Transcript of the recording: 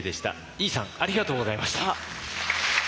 井伊さんありがとうございました。